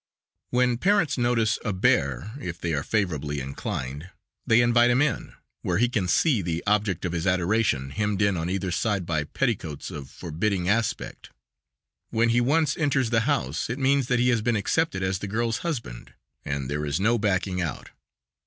When parents notice a "bear," if they are favorably inclined, they invite him in, where he can see the object of his adoration hemmed in on either side by petticoats of forbidding aspect. When he once enters the house it means that he has been accepted as the girl's husband, and there is no "backing out."